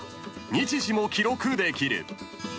［日時も記録できる］